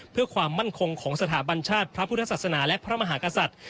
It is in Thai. เพื่อความมั่นคงของสถาบันชาติพระพุทธศาสนาและพระมหากษัตริย์